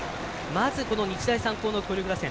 まず、日大三高の強力打線